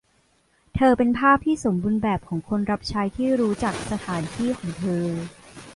เธอเป็นภาพที่สมบูรณ์แบบของคนรับใช้ที่รู้จักสถานที่ของเธอ